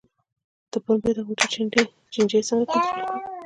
د پنبې د غوټې چینجی څنګه کنټرول کړم؟